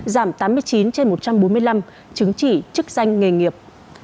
giảm tám mươi chín trên một trăm bốn mươi năm chứng chỉ chức danh nghề nghiệp